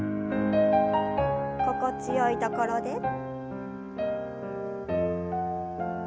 心地よいところで。